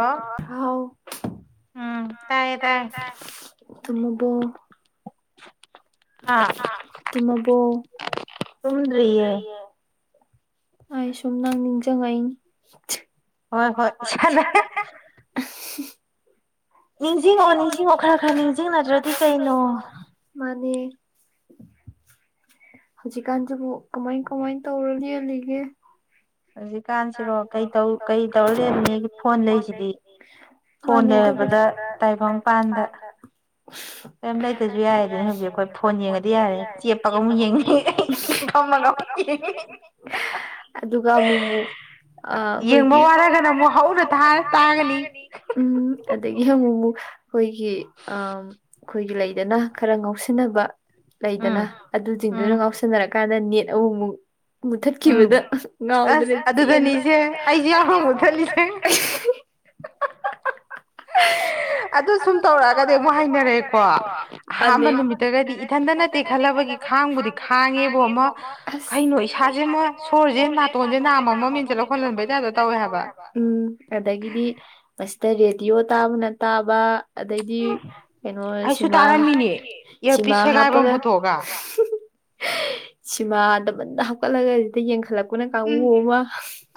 ꯑꯣ ꯎꯝ ꯇꯥꯏꯌꯦ ꯇꯥꯏ ꯃꯗꯣ [inaudible] ꯇꯃꯕꯨꯣ ꯇꯝꯗꯔꯤꯌꯦ꯫ ꯑꯩꯁꯨꯝ ꯅꯪ ꯅꯤꯡꯁꯤꯡꯉꯛꯏꯅꯤ꯫ ꯍꯣꯏ ꯍꯣꯏ ꯁꯅ ꯅꯤꯡꯁꯤꯡꯉꯑꯣ ꯅꯤꯡꯁꯤꯡꯉꯑꯣ ꯈꯔ ꯈꯔ ꯅꯤꯡꯁꯤꯡꯅꯗ꯭ꯔꯗꯤ ꯀꯩꯅꯣ ꯃꯥꯅꯦ ꯍꯧꯖꯤꯛꯀꯥꯟꯁꯤꯕꯨ ꯀꯃꯥꯏ ꯀꯃꯥꯏ ꯇꯧꯔ ꯌꯦꯦꯜꯂꯤꯒꯦ ꯍꯧꯖꯤꯛꯀꯥꯟꯁꯤꯔꯣ ꯀꯩ ꯀꯩ ꯇꯧꯔ ꯂꯩꯦꯂꯨꯅꯦꯒꯤ ꯐꯣꯟꯗꯁꯤꯗꯤ ꯐꯣꯟ ꯂꯩꯔꯕꯗ ꯇꯥꯏꯕꯪꯄꯥꯟꯗ [inaudible] ꯀꯔꯤꯝ ꯂꯩꯇ꯭ꯔꯁꯨ ꯌꯥꯔꯦ ꯑꯗꯨꯅꯤ ꯍꯧꯖꯤꯛ ꯑꯩꯈꯣꯏ ꯐꯣꯟ ꯌꯦꯡꯉꯗꯤ ꯌꯥꯔꯦ ꯆꯦꯞꯄꯒ ꯑꯃꯨꯛ ꯌꯦꯡꯉ ꯐꯝꯃꯒ ꯑꯗꯨꯒ ꯑꯃꯨꯛ ꯌꯦꯡꯕ ꯋꯥꯔꯒꯅ ꯑꯃꯨꯛ ꯍꯧꯅ ꯇꯥꯒꯅꯤ ꯎꯝ ꯑꯗꯒꯤ ꯑꯃꯨꯛ ꯑꯃꯨꯛ ꯑꯩꯈꯣꯏꯒꯤ ꯑ ꯑꯩꯈꯣꯏꯒꯤ ꯂꯩꯗꯅ ꯈꯔ ꯉꯥꯎꯁꯤꯟꯅꯕ ꯂꯩꯗꯅ ꯑꯗꯨꯁꯤꯡꯗꯨꯅ ꯉꯥꯎꯁꯟꯅꯔꯀꯥꯟꯗ ꯅꯦꯠ ꯑꯍꯨꯝꯃꯨꯛ ꯃꯨꯊꯠꯈꯤꯕꯗ ꯉꯥꯎꯗ꯭ꯔꯦ ꯑꯗꯨꯒꯅꯤꯁꯦ ꯑꯩꯁꯦ ꯌꯥꯝꯍꯥꯡꯕꯨꯠ ꯊꯠꯂꯤꯁꯦ ꯑꯗꯨ ꯁꯨꯝ ꯇꯧꯔꯛꯑꯒꯗꯤ ꯑꯃꯨꯛ ꯍꯥꯏꯅꯔꯛꯑꯦꯀꯣ ꯑꯍꯥꯟꯕ ꯅꯨꯃꯤꯠꯇꯒꯗꯤ ꯏꯊꯟꯇ ꯅꯠꯇꯦ ꯈꯜꯂꯕꯒꯤ ꯈꯥꯡꯕꯨꯗꯤ ꯈꯥꯡꯉꯦꯕ ꯑꯃ ꯀꯩꯅꯣ ꯏꯁꯥꯁꯦ ꯑꯃ ꯁꯣꯔꯁꯦ ꯅꯥꯇꯣꯟꯁꯦ ꯅꯥꯝꯃ ꯑꯣ ꯃꯃꯤꯡꯁꯦ ꯂꯧꯈꯠꯍꯟꯕꯩꯥꯗ ꯇꯧꯦ ꯍꯥꯏꯕ ꯎꯝ ꯑꯗꯒꯤꯗꯤ ꯑꯁꯤꯗ ꯔꯦꯗꯤꯌꯑꯣ ꯇꯥꯕꯅ ꯇꯥꯕ ꯑꯗꯩꯗꯤ ꯀꯩꯅꯣ ꯁꯤꯃꯥ ꯁꯤꯃꯥ ꯍꯥꯞꯄꯒ ꯁꯤꯃꯥ ꯗꯃꯟꯗ ꯍꯥꯞꯀꯠꯂꯒ ꯁꯤꯗ ꯌꯦꯡꯈꯠꯂꯛꯄꯅ ꯀꯥꯡꯕꯨ ꯑꯃ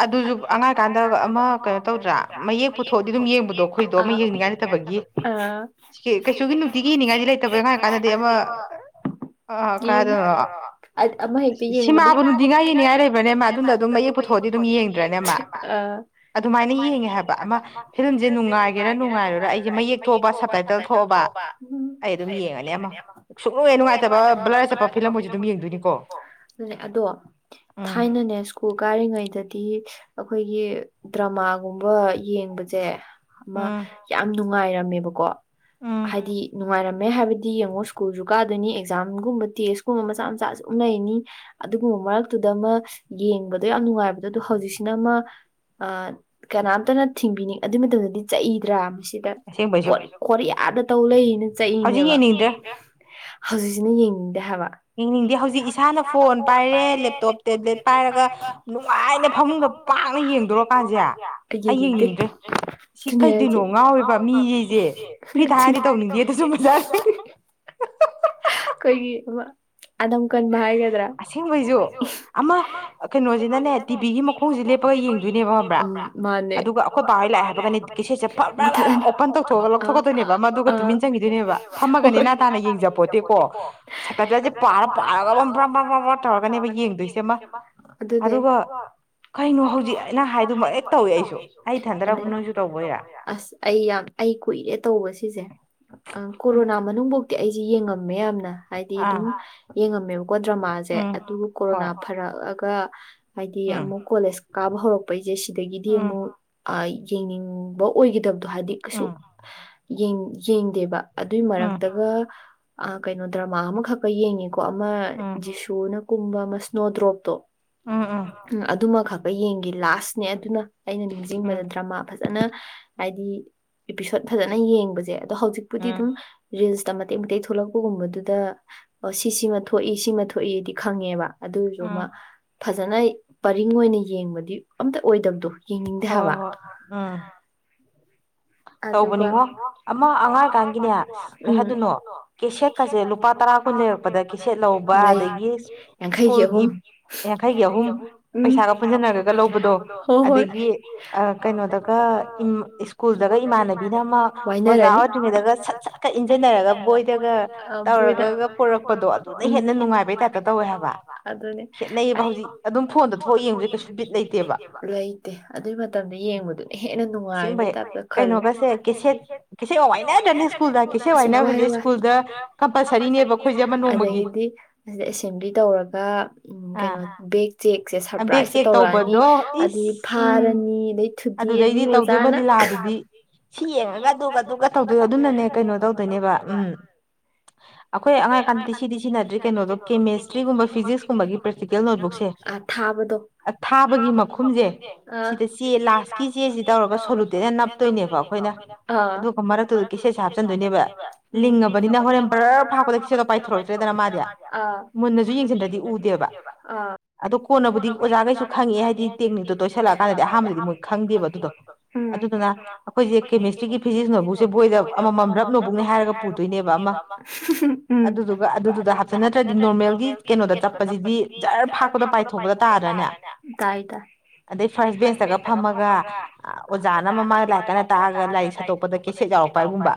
ꯑꯗꯨꯁꯨ ꯑꯉꯥꯡꯀꯥꯟꯗ ꯑꯃ ꯀꯩꯅꯣ ꯇꯧꯗ꯭ꯔꯥ ꯃꯌꯦꯛ ꯄꯨꯊꯣꯛꯑꯗꯤ ꯑꯗꯨꯝ ꯌꯦꯡꯕꯗꯣ ꯑꯩꯈꯣꯏꯗꯣ ꯑꯃ ꯌꯦꯡꯅꯤꯡꯉꯥꯏ ꯅꯠꯇꯕꯒꯤ ꯀꯩꯁꯨꯒꯤ ꯅꯨꯡꯇꯤꯒꯤ ꯏꯅꯤꯡꯉꯥꯏꯗꯤ ꯂꯩꯇꯕ ꯍꯥꯏꯥꯏꯔ ꯀꯥꯟꯗꯗꯤ ꯑꯃ ꯑ ꯑ ꯀꯥꯏꯗꯅꯣ ꯁꯤꯃꯥꯕꯨ ꯅꯨꯡ ꯅꯤꯡꯉꯥꯏ ꯌꯦꯅꯤꯡꯉꯥꯏ ꯂꯩꯕ꯭ꯔꯅꯦ ꯃꯥ ꯑꯗꯨꯝꯌꯦꯛ ꯄꯨꯊꯑꯦ ꯊꯣꯛꯑꯗꯤ ꯑꯗꯨꯝ ꯌꯦꯡꯗ꯭ꯔꯦꯦ ꯑꯗꯨꯃꯥꯏꯅ ꯌꯦꯡꯉꯦ ꯍꯥꯏꯕ ꯑꯃ ꯐꯤꯂꯝꯁꯦ ꯅꯨꯡꯉꯥꯏꯒꯦꯔꯥ ꯅꯨꯡꯉꯥꯏꯔꯨꯔꯥ ꯑꯩꯁꯦ ꯃꯌꯦꯛ ꯊꯣꯛꯑꯕ ꯁꯕꯇꯥꯏꯇꯜ ꯊꯣꯛꯑꯕ ꯑꯩ ꯑꯗꯨꯝ ꯌꯦꯡꯉꯅꯤ ꯑꯃ ꯁꯨꯡꯅꯨꯡꯉꯦ ꯅꯨꯡꯉꯥꯏꯇꯕ ꯕ꯭ꯂꯔ ꯆꯠꯄ ꯐꯤꯂꯝ ꯑꯣꯏꯣꯏꯁꯨ ꯑꯗꯨꯝ ꯌꯦꯡꯗꯣꯏꯅꯤꯀꯣ ꯑꯗꯣ ꯊꯥꯏꯅꯅꯦ ꯁ꯭ꯀꯨꯜ ꯀꯥꯔꯤꯉꯩꯗꯗꯤ ꯑꯩꯈꯣꯏꯒꯤ ꯗ꯭ꯔꯃꯥ ꯒꯨꯝꯕ ꯌꯦꯡꯕꯁꯦ ꯑꯃ ꯌꯥꯝ ꯅꯨꯡꯉꯥꯏꯔꯝ ꯃꯦꯕꯀꯣ ꯍꯥꯏꯗꯤ ꯅꯨꯡꯉꯥꯏꯔꯝꯃꯦ ꯍꯥꯏꯕꯗꯤ ꯌꯦꯡꯉꯣ ꯁ꯭ꯀꯨꯜꯁꯨ ꯀꯥꯗꯣꯏꯅꯤ ꯑꯦꯛꯖꯥꯝꯒꯨꯝꯕ ꯇꯦꯁꯀꯨꯝꯕ ꯃꯆꯥ ꯃꯆꯥꯁꯨ ꯗꯨꯝ ꯂꯩꯅꯤ ꯑꯗꯨꯒꯨꯝꯕ ꯃꯔꯛꯇꯨꯗ ꯑꯃ ꯌꯦꯡꯕꯗꯣ ꯌꯥꯝ ꯅꯨꯡꯉꯥꯏꯕ ꯑꯗꯨꯗꯣ ꯍꯧꯖꯤꯛꯁꯤꯅ ꯑꯃ ꯀꯅꯥꯝꯇꯅ ꯊꯤꯡꯕꯤꯅꯤꯡ ꯑꯗꯨꯏ ꯃꯇꯝꯗꯗꯤ ꯆꯩꯗ꯭ꯔꯥ ꯁꯤꯗ ꯀꯣꯔꯤꯌꯥꯗ ꯇꯧ ꯂꯩꯅ ꯆꯩꯔꯤꯅꯦꯕ ꯍꯧꯖꯤꯛꯁꯤꯅ ꯌꯦꯡꯅꯤꯡꯗꯦ ꯍꯥꯏꯕ ꯌꯦꯡꯅꯤꯡꯗꯦ ꯍꯧꯖꯤꯛ ꯏꯁꯥꯅ ꯐꯣꯟ ꯄꯥꯏꯔꯦ ꯂꯦꯞꯇꯣꯞ ꯇꯦꯕ꯭ꯂꯦꯠ ꯄꯥꯏꯔꯒ ꯍꯥꯏꯥꯏꯅ ꯐꯃꯨꯡꯗ ꯄꯅ ꯌꯦꯡꯗꯣꯔꯀꯥꯟꯗꯤꯦ ꯅꯦ ꯁꯤꯗꯤ ꯂꯣ ꯉꯥꯎꯕ ꯃꯤꯁꯦꯔꯤ ꯇꯧꯔꯤꯒꯦ ꯀ ꯑꯩꯈꯣꯏꯒꯤ ꯑꯝ ꯍꯥꯏꯒ ꯑꯁꯦꯡꯕꯩꯁꯨ ꯑꯃ ꯀꯩꯅꯣꯁꯤꯅꯅꯦ ꯇꯤꯚꯤꯒꯤ ꯃꯈꯣꯡꯁꯦ ꯂꯦꯞꯄꯒ ꯌꯦꯡꯗꯣꯏꯅꯦꯕ ꯑꯗꯨꯒ ꯑꯩꯈꯣꯏ ꯄꯥꯩ ꯂꯥꯛꯑꯦ ꯍꯥꯏꯕ ꯀꯦꯦꯠꯁꯦ ꯐꯕꯂ ꯑꯣꯄꯟ ꯇꯧꯊꯣꯛꯑꯒ ꯂꯧꯊꯣꯛꯀꯗꯣꯏꯅꯦꯕ ꯃꯗꯨꯒ ꯇꯨꯃꯤꯟ ꯆꯪꯈꯤꯗꯣꯏꯅꯦꯕ ꯐꯝꯃꯒꯅꯤ ꯅꯥ ꯇꯥꯅ ꯌꯦꯡꯖꯕ ꯄꯣꯠꯇꯦꯀꯣꯁꯦ ꯄꯥꯔ ꯄꯥꯔꯒ ꯑꯃ ꯇꯧꯔꯒꯅꯦꯕ ꯌꯦꯡꯗꯣꯏꯁꯦꯃ ꯑꯗꯨꯅꯦ ꯑꯗꯨꯒ ꯀꯩꯅꯣ ꯍꯧꯖꯤꯛ ꯑꯩꯅ ꯍꯥꯏꯗꯨꯃꯛ ꯍꯦꯛ ꯇꯧꯏꯦ ꯑꯩꯁꯨ ꯑꯩ ꯊꯟꯗꯔꯕ ꯅꯣꯏꯁꯨ ꯇꯧꯕꯣꯏꯔꯥ ꯑꯩ ꯌꯥꯝ ꯑꯩ ꯀꯨꯏꯔꯦ ꯇꯧꯕ ꯁꯤꯁꯦ ꯀꯣꯔꯣꯅꯥ ꯃꯅꯨꯡꯐꯧ ꯑꯩꯁꯦ ꯌꯦꯡꯉꯝꯃꯦ ꯌꯥꯝꯅ ꯍꯥꯏꯗꯤ ꯑꯗꯨꯝ ꯌꯦꯡꯉꯝꯃꯦꯕ ꯀꯣ ꯗ꯭ꯔꯃꯥꯁꯦ ꯑꯗꯨꯕꯨ ꯀꯣꯔꯣꯅꯥ ꯐꯔꯛꯑꯒ ꯍꯥꯏꯗꯤ ꯑꯃꯨꯛ ꯀꯣꯂꯦꯖ ꯀꯥꯕ ꯍꯧꯔꯛꯄꯩꯁꯦ ꯁꯤꯗꯒꯤꯗꯤ ꯑꯃꯨꯛ ꯌꯦꯡꯅꯤꯡꯕ ꯑꯣꯏꯒꯗꯕꯗꯣ ꯍꯥꯏꯗꯤ ꯀꯩꯁꯨ ꯌꯦꯡꯗꯦꯕ ꯑꯗꯨꯏ ꯃꯔꯛꯇꯒ ꯀꯩꯅꯣ ꯗ꯭ꯔꯃꯥ ꯑꯃꯈꯛꯀ ꯌꯦꯡꯉꯦꯀꯣ ꯑꯃ ꯖꯤꯁꯨ ꯖꯤꯁꯨꯅ ꯀꯨꯝꯕ ꯑꯃ ꯁ꯭ꯅꯣ ꯗ꯭ꯔꯣꯞꯇꯣ ꯎꯝ ꯎꯝ ꯎꯝ ꯑꯗꯨꯃ ꯈꯛꯀꯥ ꯌꯦꯡꯒꯤ ꯂꯥꯁꯅꯦ ꯑꯗꯨꯅ ꯑꯩꯅ ꯅꯤꯡꯁꯤꯡꯕꯗ ꯗ꯭ꯔꯃꯥ ꯐꯖ ꯐꯖꯅ ꯍꯥꯏꯗꯤ ꯑꯦꯄꯤꯁꯣꯠ ꯐꯖꯅ ꯌꯦꯡꯕꯁꯦ ꯑꯗꯣ ꯍꯧꯖꯤꯛꯄꯨꯗꯤ ꯑꯗꯨꯝ ꯔꯤꯜꯁꯇ ꯃꯇꯦꯛ ꯃꯇꯦꯛ ꯊꯣꯛꯂꯛꯄꯒꯨꯝꯕꯗꯨꯗ ꯁꯤ ꯁꯤꯃ ꯊꯣꯛꯏ ꯁꯤꯃ ꯊꯣꯛꯏꯗꯤ ꯈꯪꯉꯦꯕ ꯑꯗꯨꯗꯨ ꯑꯃꯥ ꯐꯖꯅ ꯄꯔꯤꯡ ꯑꯣꯏꯅ ꯌꯦꯡꯕꯗꯤ ꯑꯝꯇ ꯑꯣꯏꯗꯕꯗꯣ ꯍꯣꯏ ꯍꯣꯏ ꯎꯝ ꯇꯧꯕꯅꯤꯉꯣ ꯑꯃ ꯑꯉꯥꯡꯑꯣꯏꯔꯤꯀꯥꯟꯒꯤꯅꯦ ꯀꯩ ꯍꯥꯏꯗꯣꯏꯅꯣ ꯀꯦꯁꯦꯠꯀꯁꯦ ꯂꯨꯄꯥ ꯇꯔꯥ ꯀꯨꯟ ꯂꯩꯔꯛꯄꯗ ꯀꯦꯁꯦꯠ ꯂꯧꯕ ꯑꯗꯒꯤ ꯁ꯭ꯀꯨꯜꯒꯤ ꯌꯥꯡꯈꯩꯒꯤ ꯑꯍꯨꯝ ꯄꯩꯁꯥꯒ ꯄꯨꯟꯁꯤꯟꯅꯔꯒ ꯂꯧꯕꯗꯣ ꯑꯗꯒꯤ ꯀꯩꯅꯣꯗꯒ ꯁꯀꯨꯜ ꯁ꯭ꯀꯨꯜꯗꯒ ꯏꯃꯥꯟꯅꯕꯤꯅ ꯑꯃ ꯑꯣꯖꯥ ꯎꯗ꯭ꯔꯤꯉꯩꯗꯒ ꯁꯠ ꯁꯠꯀ ꯏꯟꯁꯤꯟꯅꯔꯒ ꯕꯣꯏꯗꯒ ꯇꯧꯔꯒꯒ ꯑꯗꯨꯒ ꯄꯣꯔꯛꯄꯗꯣ ꯑꯗꯨꯅ ꯍꯦꯟꯅ ꯅꯨꯡꯉꯥꯏꯕꯩ ꯇꯥꯏꯞꯇ ꯇꯧꯋꯦ ꯍꯥꯏꯕ ꯑꯗꯨ ꯂꯩꯇꯦ ꯑꯗꯨꯏ ꯃꯇꯝꯗ ꯌꯦꯡꯕꯗꯨꯅ ꯍꯦꯟꯅ ꯅꯨꯡꯉꯥꯏꯕꯩ ꯇꯥꯏꯞ ꯑꯁ ꯋꯥꯏ ꯋꯥꯏ ꯑꯗꯒꯤꯗꯤ ꯑꯁꯤ ꯑꯦꯁꯦꯝꯕ꯭ꯂꯤ ꯇꯧꯔꯒ ꯎꯝ ꯀꯩꯅꯣ ꯕꯦꯛ ꯆꯦꯛꯁꯦ ꯁꯔꯄ꯭ꯔꯥꯏꯖꯇ ꯇꯧꯔꯛꯑꯅꯤ ꯑꯗꯨꯗꯩ ꯐꯥꯔꯅꯤ ꯑꯗꯩ ꯊꯨꯗꯦꯛ ꯑꯅꯤ ꯅꯣꯏꯕꯥꯅꯤ ꯂꯥꯛꯑꯗꯨꯗꯤ ꯁꯤ ꯌꯦꯡꯉꯒ ꯑꯗꯨꯒ ꯑꯗꯨꯒ ꯇꯧꯗꯣꯏꯅꯦꯕ ꯑꯗꯨꯅꯅꯦ ꯀꯩꯅꯣ ꯇꯧꯗꯣꯏꯅꯦꯕ ꯎꯝ ꯑꯩꯈꯣꯏ ꯑꯉꯥꯡ ꯑꯣꯏꯀꯥꯟꯗꯗꯤ ꯁꯤꯗꯤ ꯁꯤꯖꯤꯟꯗ꯭ꯔꯤ ꯀꯩꯅꯣꯗꯣ ꯀꯦꯃꯦꯁꯇ꯭ꯔꯤꯒꯨꯝꯕ ꯐꯤꯖꯤꯛꯁꯀꯨꯝꯕꯒꯤ ꯄ꯭ꯔꯦꯛꯇꯤꯀꯦꯜ ꯅꯣꯠꯕꯨꯛꯁꯦ ꯑ ꯊꯥꯕꯗꯣ ꯑ ꯊꯥꯕꯒꯤ ꯃꯈꯨꯝꯁꯦ ꯁꯤꯗ ꯆꯦ ꯂꯥꯁꯀꯤ ꯆꯦꯁꯤ ꯇꯧꯔꯒ ꯁꯣꯂꯨꯇꯦꯗ ꯅꯞꯇꯣꯏꯅꯦ ꯑꯥ ꯎꯝ ꯑꯥ ꯑꯥ ꯑꯗꯣ ꯀꯣꯟꯅꯕꯨꯗꯤ ꯑꯣꯖꯥꯈꯩꯁꯨ ꯈꯪꯉꯦ ꯍꯥꯏꯗꯤ ꯇꯦꯛꯅꯤꯛꯇꯣ ꯇꯣꯏꯁꯜꯂꯛ ꯑꯀꯥꯟꯗꯗꯤ ꯑꯍꯥꯟꯕꯗꯗꯤ ꯃꯣꯏ ꯈꯪꯗꯦꯕ ꯑꯗꯨꯗꯣ ꯑꯗꯨꯗꯨꯅ ꯑꯩꯈꯣꯏꯁꯦ ꯀꯦꯃꯤꯁꯇ꯭ꯔꯤꯒꯤ ꯐꯤꯖꯤꯛꯁꯅꯣꯕꯨꯛꯁꯦ ꯕꯣꯏꯗ ꯑꯃꯃꯝ ꯔꯞꯅꯣꯠꯕꯨꯛꯅꯦ ꯍꯥꯏꯔꯒ ꯄꯨꯗꯣꯏꯅꯦꯕ ꯑꯃ ꯑꯗꯨꯗꯨꯒ ꯑꯗꯨꯗꯨꯗ ꯍꯥꯞꯆꯤꯟ ꯅꯠꯇ꯭ꯔꯗꯤ ꯅꯣꯔꯃꯦꯜꯒꯤ ꯀꯩꯅꯣꯗ ꯆꯞꯄꯁꯤꯗꯤ ꯖꯔ ꯐꯥꯛꯄꯗ ꯄꯥꯏꯊꯣꯛ ꯄꯥꯏꯊꯣꯛꯄꯗ ꯇꯥꯗꯔꯅꯦ ꯇꯥꯏ ꯇꯥꯏ ꯑꯗꯩ ꯐꯥꯔꯁ ꯕꯦꯟꯁꯇꯒ ꯐꯝꯃꯒ ꯑꯣꯖꯥꯅ ꯃꯃꯥꯡꯗ ꯂꯥꯏꯔꯤꯛ ꯀꯟꯅ ꯇꯥꯛꯑꯒ ꯂꯥꯏꯔꯤꯛ ꯁꯠꯇꯣꯛꯄꯗ ꯀꯦꯁꯦꯠ ꯌꯥꯎꯔꯛꯄ ꯍꯥꯏꯒꯨꯝꯕ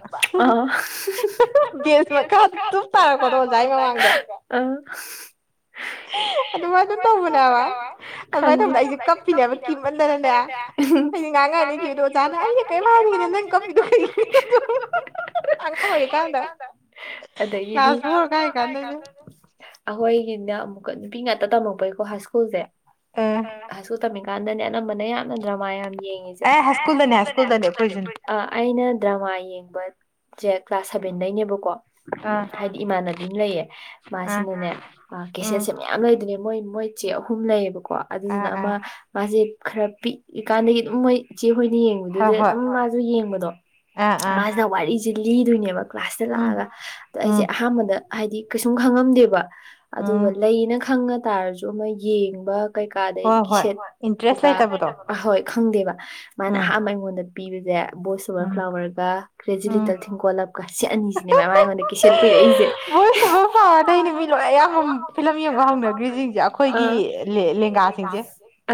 ꯕꯦꯟꯆ ꯃꯈꯥꯗ ꯇꯥꯔꯛꯄꯗꯣ ꯑꯣꯖꯥꯒꯤ ꯃꯃꯥꯡꯗ ꯑꯗꯨꯃꯥꯏ ꯅꯦꯕ ꯑꯗꯨꯃꯥꯏꯅ ꯇꯧꯕꯗ ꯑꯩꯁꯦ ꯀꯞꯄꯤꯅꯦ ꯍꯥꯏꯕ ꯀꯤꯝꯃꯟꯗꯅꯅꯦ ꯑꯩꯗꯤ ꯉꯥꯥꯡꯉꯛꯑꯅꯤ ꯀꯤꯗꯣ ꯑꯣꯖꯥꯅ ꯑꯩꯅ ꯀꯩꯝ ꯍꯥꯏꯗꯔ꯭ꯤ ꯉꯩꯗ ꯅꯪ ꯀꯞꯄꯤꯗꯣ ꯀꯩꯒꯤꯅꯣ ꯑꯉꯥꯡ ꯑꯣꯏ ꯀꯥꯟꯗ ꯀꯂꯥꯁ ꯐꯣꯔ ꯀꯥꯏ ꯀꯥꯟꯗꯅꯦ ꯑꯩꯈꯣꯏꯒꯤꯅ ꯑꯃꯨꯛꯀ ꯅꯨꯄꯤ ꯉꯥꯛꯇ ꯇꯝꯃꯛꯄꯩꯀꯣ ꯍꯥꯏ ꯁ꯭ꯀꯨꯜꯁꯦ ꯇꯝꯃꯤꯀꯥꯟꯗꯅꯦ ꯑꯅꯝꯕꯅ ꯑꯥꯌꯥꯝꯕꯅ ꯗ꯭ꯔꯃꯥ ꯌꯥꯝ ꯌꯦꯡꯉꯤ ꯑꯦ ꯍꯥꯏ꯭ꯁꯀꯨꯜꯗꯅꯤ ꯍꯥꯏꯁꯀꯨꯜ ꯗꯅꯤ ꯑꯩꯅ ꯗ꯭ꯔꯃꯥ ꯌꯦꯡꯕꯁꯦ ꯀ꯭ꯂꯥꯁ ꯁꯚꯦꯟꯗꯩ ꯅꯦꯕꯀꯣ ꯍꯥꯏꯗꯤ ꯏꯃꯥꯟꯅꯕꯤ ꯑꯃ ꯂꯩꯌꯦ ꯃꯥꯁꯤꯅꯅꯦ ꯀꯦꯁꯦꯠ ꯁꯦ ꯃꯌꯥꯝ ꯂꯩꯗꯣꯏꯅꯦ ꯃꯣꯏ ꯃꯣꯏ ꯆꯦ ꯑꯍꯨꯝ ꯂꯩꯌꯦꯕꯀꯣ ꯑꯗꯨꯗꯨꯅ ꯑꯃ ꯃꯥꯁꯦ ꯈꯔ ꯄꯤꯛꯏ ꯀꯥꯟꯗꯒꯤ ꯑꯗꯨꯝ ꯃꯣꯏ ꯆꯦ ꯍꯣꯏꯅ ꯌꯦꯡꯕꯗꯨꯗ ꯑꯗꯨꯝ ꯃꯥꯁꯨ ꯌꯦꯡꯕꯗꯣ ꯃꯥꯁꯤꯅ ꯋꯥꯔꯤꯁꯤ ꯂꯤꯗꯣꯏꯅꯦꯕ ꯀ꯭ꯂꯥꯁꯇ ꯂꯥꯛꯑꯒ ꯑꯗꯣ ꯑꯩꯁꯦ ꯑꯍꯥꯟꯕꯗ ꯍꯥꯏꯗꯤ ꯀꯩꯁꯨꯝ ꯈꯪꯉꯝꯗꯦꯕ ꯑꯗꯨꯒ ꯂꯩꯅ ꯈꯪꯉ ꯇꯥꯔꯁꯨ ꯑꯃ ꯌꯦꯡꯕ ꯀꯩꯀꯥꯗꯩꯗꯤ ꯀꯤꯁꯦꯠ ꯀꯩꯀꯥ ꯑꯍꯣꯏ ꯈꯪꯗꯦꯕ ꯃꯥꯅ ꯑꯍꯥꯟꯕ ꯑꯩꯉꯣꯟꯗ ꯄꯤꯕꯁꯦ ꯕꯣꯏꯁꯑꯣꯕꯔ ꯐ꯭ꯂꯥꯋꯔꯒ ꯀ꯭ꯔꯦꯖꯤ ꯂꯤꯇꯜ ꯊꯤꯡꯀꯣꯂꯞꯀ ꯁꯤ ꯑꯅꯤꯁꯤꯅꯦ ꯃꯥꯅ ꯑꯩꯉꯣꯟꯗ ꯀꯤꯁꯦꯠ ꯄꯤꯔꯛꯏꯁꯦ ꯚꯣꯏꯁ ꯑꯣꯕꯔ ꯐ꯭ꯂꯥꯋꯔꯗꯒꯤꯅꯦ ꯃꯤ ꯂꯣꯏꯅ ꯑꯌꯥꯝꯕ ꯐꯤꯂꯝ ꯌꯦꯡꯕ ꯍꯧꯅꯈ꯭ꯔꯤꯁꯤꯡꯁꯦ ꯑꯩꯈꯣꯏꯒꯤ ꯂꯦꯡꯒꯥ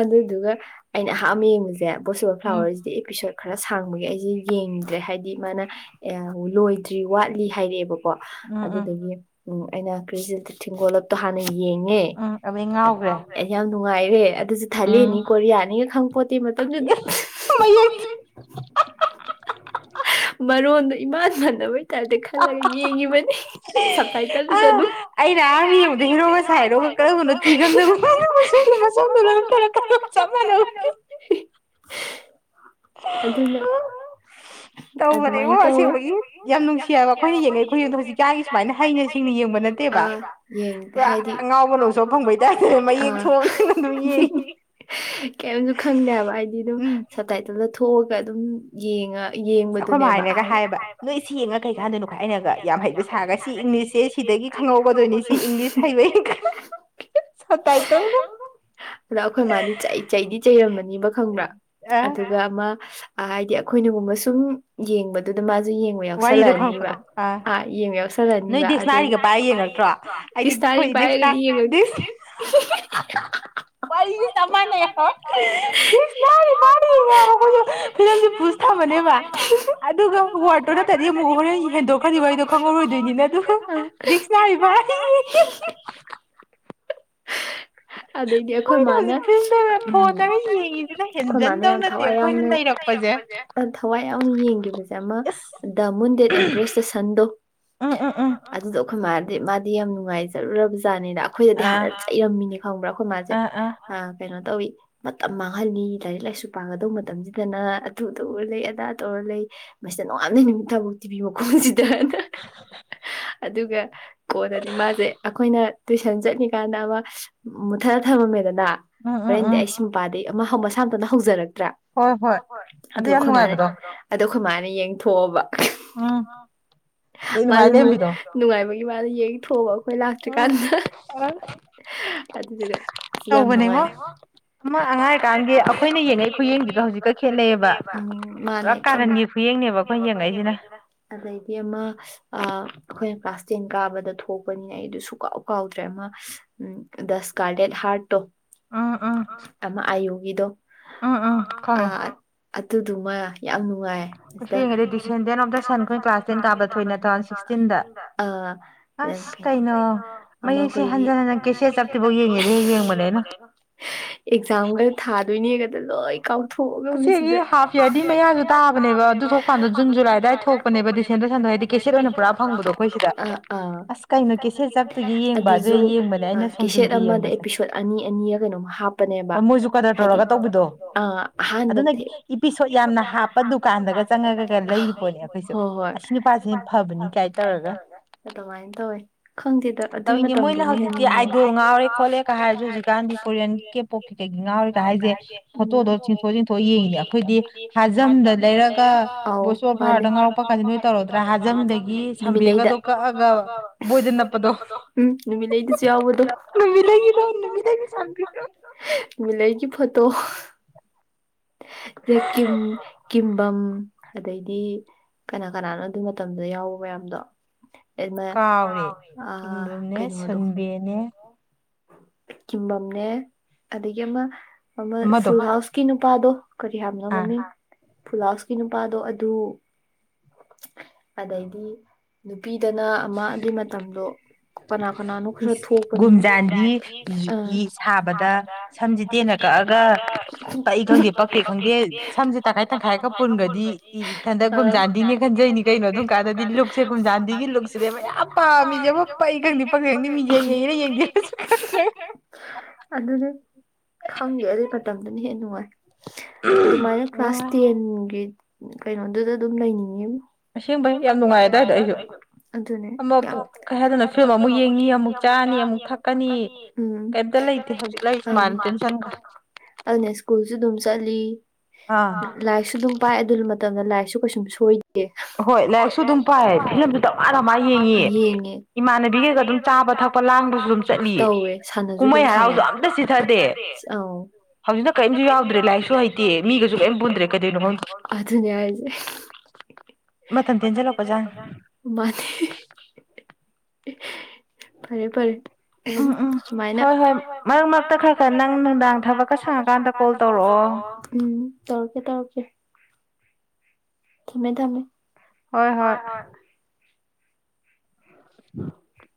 ꯑꯗꯨꯗꯨꯒ ꯑꯩꯅ ꯑꯍꯟꯕ ꯌꯦꯡꯕꯁꯦ ꯕꯣꯏꯁ ꯐ꯭ꯂꯥꯋꯔꯁꯤꯗꯤ ꯑꯦꯄꯤꯁꯣꯠ ꯈꯔ ꯁꯥꯡꯕꯒꯤ ꯑꯩꯁꯦ ꯌꯦꯡꯗ꯭ꯔꯦ ꯍꯥꯏꯗꯤ ꯃꯥꯅ ꯂꯣꯏꯗ꯭ꯔꯤ ꯋꯥꯠꯂꯤ ꯍꯥꯏꯔꯛꯑꯦꯕ ꯀꯣ ꯑꯗꯨꯗꯒꯤ ꯎ ꯑꯩꯅ ꯀꯔꯤꯁꯤ ꯊꯤꯡꯒꯣꯜꯂ ꯍꯥꯟꯅ ꯌꯦꯡꯉꯦ ꯌꯥꯝ ꯅꯨꯡꯉꯥꯏꯔꯦ ꯑꯗꯨꯁꯨ ꯊꯥꯏꯂꯦꯟꯅꯤ ꯀꯣꯔꯤꯌꯥꯅꯤꯒ ꯈꯪꯕ ꯄꯣꯠꯇꯦ ꯃꯇꯝꯗꯨꯗ [unintelligible] ꯃꯔꯣꯜꯗꯣ ꯏꯃꯥꯟ ꯃꯥꯟꯅꯕꯩ ꯇꯗꯤ ꯈꯜꯂꯒ ꯌꯦꯡꯉꯤꯕꯅꯤ ꯁꯞꯥꯏꯇꯗꯨꯗ ꯑꯗꯨꯝ [unintelligible] [unintelligible] ꯑꯗꯨꯅ ꯑꯗꯨꯃꯥꯏꯅ ꯌꯥꯝ ꯅꯨꯡꯁꯤꯕ ꯑꯩꯈꯣꯏꯅ ꯌꯦꯡꯉ ꯑꯩꯈꯣꯏ ꯑꯗꯨꯝ ꯏꯥꯒꯤ ꯁꯨꯃꯥꯏꯅ ꯍꯩꯅ ꯁꯤꯡꯅ ꯌꯦꯡꯕ ꯅꯠꯇꯦꯕ ꯌꯦꯡꯗꯦ ꯍꯥꯏꯗꯤ ꯑ ꯀꯔꯤꯝꯁꯨ ꯈꯪꯗꯦꯕ ꯍꯥꯏꯗꯤ ꯑꯗꯨꯝ ꯁꯞꯇꯥꯏꯇꯜꯗ ꯊꯣꯛꯑꯒ ꯑꯗꯨꯝ ꯌꯦꯡꯉ ꯑꯩꯈꯣꯏ ꯃꯥꯍꯣꯏꯅꯒ ꯍꯥꯏꯌꯦꯕ ꯅꯣꯏ ꯁꯤ ꯌꯦꯡꯉ ꯀꯩꯀꯥꯟꯗꯨꯏꯅꯣ ꯑꯩꯅꯒ ꯌꯥꯝ ꯍꯩꯕ ꯁꯥꯔꯒ ꯁꯤ ꯏꯪꯂꯤꯁꯁꯦ ꯁꯤꯗꯒꯤ ꯈꯪꯍꯧꯒꯗꯣꯏꯅꯤ ꯁꯤ ꯏꯪꯂꯤꯁ ꯍꯩꯕ ꯁꯥꯕꯇꯥꯏꯇꯜ ꯑꯗ ꯑꯩꯈꯣꯏ ꯃꯥꯗꯤ ꯆꯩꯗꯤ ꯆꯩꯔꯝꯃꯅꯤꯕ ꯈꯪꯕ꯭ꯔꯥ ꯑꯗꯨ ꯑꯃ ꯍꯥꯏꯗꯤ ꯑꯩꯈꯣꯏꯅꯒꯨꯝꯕ ꯁꯨꯝ ꯌꯦꯡꯕꯗꯨꯗ ꯃꯥꯁꯨ ꯌꯦꯡꯕ ꯌꯥꯎꯁꯜꯂꯛꯑꯅꯤꯕ ꯑꯥ ꯌꯦꯡꯕ ꯌꯥꯎꯁꯜꯂꯛꯑꯅꯤꯕ ꯑꯗꯨ [unintelligible] [unintelligible] ꯐꯤꯂꯝꯁꯦ ꯄꯨꯖ ꯊꯕꯅꯦꯕ ꯑꯗꯨꯒ ꯋꯥꯠ ꯑꯗꯨ ꯅꯥꯠꯇꯥꯗꯤ ꯑꯃꯨꯛ ꯍꯣꯔꯦꯟ ꯍꯦꯟꯗꯣꯛꯈ꯭ꯔꯗꯤ ꯑꯦꯔꯤꯗꯣ ꯈꯪꯍꯧꯔꯣꯏꯗꯣꯏꯅꯤ ꯑꯗꯨ [unintelligible] ꯑꯗꯩꯗꯤ ꯑꯩꯈꯣꯏ ꯃꯥꯅ ꯎꯝ ꯑꯩꯈꯣꯏ ꯃꯥꯅ ꯌꯥꯝ ꯊꯋꯥꯏ ꯌꯥꯎꯅ ꯊꯋꯥꯏ ꯌꯥꯎꯅ ꯌꯦꯡꯈꯤꯕꯁꯦ ꯑꯃ ꯗꯥ ꯃꯨꯟ ꯗꯦꯠ ꯑꯦꯝꯄꯕ꯭ꯔꯦꯁ ꯗ ꯁꯟꯗꯣ ꯎꯝ ꯎꯝ ꯎꯝ ꯑꯗꯨꯗꯣ ꯑꯩꯈꯣꯏ ꯃꯥꯗꯤ ꯃꯥꯗꯤ ꯌꯥꯝ ꯅꯨꯡꯉꯥꯏꯖꯔꯨꯔꯕ ꯖꯥꯅꯤꯗ ꯑꯩꯈꯣꯏꯗꯗꯤ ꯍꯥꯟꯅ ꯆꯩꯔꯝꯃꯤꯅꯦ ꯈꯪꯕ꯭ꯔꯥ ꯑꯩꯈꯣꯏ ꯃꯥꯁꯦ ꯀꯩꯅꯣ ꯇꯧꯏꯤ ꯃꯇꯝ ꯃꯥꯡꯍꯟꯅꯤ ꯂꯥꯏꯔꯤꯛ ꯂꯥꯏꯁꯨ ꯄꯥꯒꯗꯧꯕ ꯃꯇꯝꯁꯤꯗ ꯗꯅ ꯑꯗꯨ ꯇꯧꯔ ꯂꯩ ꯑꯗꯥ ꯇꯧꯔ ꯂꯩ ꯃꯁꯤꯗ ꯅꯣꯡꯉꯥꯟꯕꯗꯩ ꯅꯨꯃꯤꯠꯇꯕꯧ ꯇꯤꯚꯤ ꯃꯈꯣꯡꯁꯤꯗꯅꯥ ꯑꯗꯨꯒ ꯀꯣꯟꯅꯗꯤ ꯃꯥꯖꯦ ꯑꯩꯈꯣꯏꯅ ꯇꯨꯏꯁꯟ ꯆꯠꯂꯤꯀꯥꯟꯗ ꯑꯃ ꯃꯨꯊꯠꯔ ꯊꯝꯃꯝꯃꯦꯗꯅ ꯍꯣꯔꯦꯟꯗꯤ ꯑꯩꯁꯤ ꯃꯄꯥꯗꯤ ꯑꯃ ꯃꯁꯥ ꯃꯇꯣꯝꯅ ꯍꯧꯖꯔꯛꯇ꯭ꯔꯥ ꯍꯣꯏ ꯍꯣꯏ ꯑꯗꯨ ꯑꯩꯈꯣꯏ ꯃꯥꯅꯦ ꯑꯣ ꯑꯩꯈꯣꯏ ꯃꯥꯅ ꯌꯦꯡꯊꯣꯛꯑꯕ ꯃꯥꯅ ꯅꯨꯡꯉꯥꯏꯕꯒꯤ ꯃꯥꯅ ꯌꯦꯡꯊꯣꯛꯑꯕ ꯑꯩꯈꯣꯏ ꯂꯥꯛꯇ꯭ꯔꯤꯀꯥꯟꯗ ꯑꯗꯨꯗꯨꯅꯦ ꯁꯤ ꯌꯥꯝ ꯅꯨꯡꯉꯥꯏ ꯃ ꯑꯉꯥꯏꯔꯤ ꯀꯥꯟꯒꯤ ꯑꯩꯈꯣꯏꯅ ꯌꯦꯡꯉꯥꯛꯏ ꯈꯨꯌꯦꯡꯁꯤꯒ ꯍꯧꯖꯤꯛ ꯀꯩ ꯈꯦꯠꯅꯩꯑꯕ ꯄꯨꯔꯥ ꯀꯥꯔꯟꯒꯤ ꯈꯨꯌꯦꯡꯅꯦꯕ ꯑꯩꯈꯣꯏ ꯌꯦꯡꯉꯛꯏꯁꯤꯅ ꯑꯗꯨꯗꯩꯩꯗꯤ ꯑꯃ ꯑ ꯑꯩꯈꯣꯏꯅ ꯀ꯭ꯂꯥꯁ ꯇꯦꯟ ꯀꯥꯕꯗ ꯊꯣꯛꯄꯅꯤ ꯑꯩꯗꯨ ꯁꯨꯀꯥꯎ ꯀꯥꯎꯗ꯭ꯔꯦ ꯑꯃ ꯎꯝ ꯗ ꯁꯀꯥꯔꯂꯦꯠ ꯍꯥꯔꯠꯇꯣ ꯑꯃ ꯑꯌꯨꯒꯤꯗꯣ ꯎꯝ ꯎꯝ ꯑ ꯑꯗꯨꯗꯨꯃ ꯌꯥꯝ ꯅꯨꯡꯉꯥꯏ ꯑꯁꯤꯗ ꯂꯝ ꯀꯩꯅꫭ ꯑꯝ ꯑꯩꯈꫭꯏꯒꯤ ꯑꯦꯛꯖꯥꯝꯒ ꯊꯥꯗꯣꯏꯅꯦꯒꯗꫭ ꯂꯣꯏ ꯀꯥꯎꯊꯣꯛ ꯀꫭꯛ ꯂꯨꯝꯃꯦ ꯁꯤꯗ ꯀꯗꯥꯏ ꯊꯣꯛꯄꯅꯦꯕ ꯗꯤꯁꯦꯟꯗꯁꯟꯗꫭ ꯍꯥꯏꯗꯤ ꯀꯦꯁꯦꯠ ꯑꯣꯏꯅ ꯄꯨꯔꯥ ꯐꯪꯕꯗꯣ ꯑꯩꯈꯣꯏꯁꯤꯗ ꯑꯁ ꯀꯩꯅꯣ ꯀꯦꯁꯦꯠ ꯆꯞ ꯑꯗꯨꯁꯨ ꯀꯦꯁꯦꯠ ꯑꯃꯗ ꯑꯦꯄꯤꯁꯣꯠ ꯑꯅꯤ ꯑꯅꯤꯔ ꯀꯩꯅꯣꯝꯛ ꯍꯥꯞ ꯄꯅꯦꯕ ꯍꯥꯏꯗꯤ ꯑꯍꯥꯟꯕ ꯊꯦ ꯍꯣꯏ ꯍꯣꯏ ꯑꯗꯨꯃꯥꯏꯅ ꯇꯧꯋꯦ ꯈꯪꯗꯦꯗ ꯑꯗꯨꯏ ꯃꯇꯝꯗꯨꯅꯦ ꯍꯦꯟꯅ ꯅꯨꯡ ꯎꯝ ꯆꯤꯡꯊꯣꯛ ꯆꯤꯡꯊꫭꯛꯑꯒ ꯌꯦꯡꯉꯤꯅꯦ ꯑꯩꯈꯣꯏꯗꯤ ꯍꯥꯖꯝꯗ ꯂꯩꯔꯒ ꯚꯣꯏꯁ ꯑꯣꯐꯔ ꯐꯂꯥꯋꯔ ꯉꯥꯎꯔꯡꯄ ꯀꯞꯄꯀꯥꯗꯤ ꯅꯣꯏ ꯇꯧꯔꯗ꯭ꯔꯥ ꯍꯥꯖꯝꯗꯒꯤ ꯁꯝꯕꯦꯒꯗꯣ ꯀꯛꯑꯒ ꯕꯣꯏꯗ ꯅꯞꯄꯗꯣ ꯅꯨꯃꯤ ꯂꯩꯒꯤꯗꫭ ꯅꯨꯃꯤ ꯂꯩꯒꯤ ꯁꯝꯕꯦꯗꫭ ꯃꯤ ꯂꯩꯩꯒꯤ ꯐꫭꯇꯣ ꯔꯦꯀꯤꯝ ꯀꯤꯝꯕꯝ ꯑꯗꯩꯗꯤ ꯀꯅꯥ ꯀꯅꯥꯅꯣ ꯑꯗꯨ ꯃꯇꯝꯗꯨꯗ ꯌꯥꯎꯕ ꯃꯌꯥꯝꯗꯣ ꯑꯦꯅ ꯑ ꯑ ꯀꯩꯅꫭꯗꫭ [inaudible] ꯀꯤꯝꯕꯝꯅꯦ ꯑꯗꯒꯤ ꯑꯃ ꯑꯃ ꯐꯨꯜ ꯍꯥꯎꯁꯀꯤ ꯅꯨꯄꯥꯗꯣ ꯀꯔꯤ ꯍꯥꯏꯕꯅ ꯃꯃꯤꯡ ꯐꯨꯜꯍꯥꯎꯁꯀꯤ ꯅꯨꯄꯥꯗꯣ ꯑꯗꯨ ꯑꯗꯩꯗꯤ ꯅꯨꯄꯤꯗꯅ ꯑꯃ ꯑꯗꯨꯏ ꯃꯇꯝꯗꯣ ꯀꯅꯥ ꯀꯅꯥꯅꯣ ꯈꯔ ꯊꯣꯛꯄꯅꯤꯅꯦ ꯑ ꯅꯤꯠ ꯊꯥꯕꯗ ꯁꯝꯁꯨ ꯇꯦꯟꯅ ꯀꯛꯑꯒ ꯈꯪꯗꯦ ꯀꯛꯇꯦ ꯈꫭꯠꯇꯦ ꯁꯝꯁꯨ ꯇꯡꯈꯥꯏ ꯇꯡꯈꯥꯏꯒ ꯄꯨꯟꯕꯅꯦ [unintelligible] ꯈꯟꯖꯩꯅꯤ ꯀꯩꯅꯣ ꯑꯗꯨꯝ ꯀꯥꯟꯗꯗꯤ ꯂꯨꯛꯁꯦ ꯒꯨꯝꯖꯥꯟꯗꯤꯒꯤ ꯂꯨꯛꯁꯤꯅꯦꯕ ꯌꯥꯝ ꯄꯥꯝꯃꯤꯁꯦꯕꯣ ꯄꯛꯏ ꯈꯡꯗꯦ ꯄꯛꯇꯦ ꯈꯪꯗꯦ ꯃꯤꯡꯁꯦꯜ ꯌꯦꯡꯉꯤꯔ ꯌꯦꯡꯗ꯭ꯔꯤꯔꯥꯁꯨ ꯈꯪꯗ꯭ꯔꯦ ꯑꯗꯨꯅꯦ ꯈꯪꯗꯦ ꯑꯗꯨꯒꯤ ꯃꯇꯝꯗꯨꯅ ꯍꯦꯟꯅ ꯅꯨꯡꯉꯥꯏ ꯑꯗꯨꯃꯥꯏꯅ ꯀ꯭ꯂꯥꯁ ꯇꯦꯟꯒꯤ ꯀꯩꯅꯣꯗꯨꯗ ꯑꯗꯨꯝ ꯂꯩꯅꯤꯡꯉꯦꯃꫭ ꯁꯦꯝꯕꯩꯅꯦ ꯌꯥꯝ ꯅꯨꯡꯉꯥꯏ ꯑꯗꯥꯏꯗꫭ ꯑꯩꯁꯨ ꯑꯗꯨꯅꯦ ꯍꯦꯃꫭꯕ ꯀꯩ ꯍꯥꯏꯗꫭꯏꯅꫭ ꯐꯤꯂꯝ ꯑꯃꯨꯛ ꯌꯦꯡꯏ ꯨꯆꯥꯅꯤ ꯑꯃꯨꯛ ꯊꯛꯀꯅꯤ ꯍꯦꯛꯇ ꯂꯩꯪ ꯑꯗꯨꯅ ꯁ꯭ꯀꯨꯜꯁꯨ ꯑꯗꯨꯝ ꯆꯠꯂꯤ ꯂꯥꯏꯔꯤꯛꯁꯨ ꯑꯗꯨꯝ ꯄꯥꯏ ꯑꯗꯨ ꯃꯇꯝꯗ ꯂꯥꯏꯔꯤꯛꯁꯨ ꯀꯩꯁꯨꯝ ꯁꯣꯏꯗꯦ ꯍꯣꯏ ꯂꯥꯏꯔꯤꯛꯁꯨ ꯑꯗꯨꯝ ꯄꯥꯏ ꯐꯤꯂꯝꯁꯨ ꯗꯃꯥ ꯗꯃꯥ ꯌꯦꯡꯉꯦ ꯏꯃꯥꯟꯅꯕꯤꯒꯩꯒ ꯑꯗꯨꯝ ꯆꯥꯕ ꯊꯛꯄ ꯂꯥꯡꯕ ꯑꯗꯨꯝ ꯇꯧꯋꯦ ꯁꯥꯟꯅꯁꯨ ꯑꯗꯨꯝ ꯁꯥꯟꯅꯩ ꯀꯨꯝꯍꯩ ꯍꯔꯥꯎꯖꯨ ꯑꯝꯇ ꯆꯤꯊꯗꯦ ꯑꯥꯎ ꯍꯧꯖꯤꯛꯅ ꯀꯔꯤꯝꯁꯨ ꯌꯥꯎꯗ꯭ꯔꯦ ꯂꯥꯏꯔꯤꯛꯁꯨ ꯍꯩꯇꯦ ꯃꯤꯒꯁꯨ ꯀꯔꯤꯝ ꯄꯨꯟꯗ꯭ꯔꯦ ꯀꯩꯗꯣꯏꯅꯣꯪ ꯑꯗꯨꯅꯦ ꯍꯥꯏꯁꯦ ꯃꯊꯟ ꯇꯦꯟꯖꯜꯂꯛꯄꯖꯥ ꯃꯥꯅꯦ ꯐꯔꯦ ꯐꯔꯦ ꯎ ꯁꯨꯃꯥꯏꯅ ꯍꯣꯏ ꯍꯣꯏ ꯃꯔꯛ ꯃꯔꯛꯇ ꯈꯔ ꯈꯔ ꯅꯪ ꯅꯨꯡꯗꯥꯡ ꯊꯕꯛꯀ ꯁꯡ ꯅꯨꯄꯥꯗ ꯀꫭꯜ ꯇꯧꯔꯛꯑꫭ ꯎꯝ ꯇꯧꯔꯀꯦ ꯇꯧꯔꯛꯀꯦ ꯊꯝꯃꯦ ꯊꯝꯃꯦ ꯍꫭꯏ ꯍꫭꯏ [inaudible]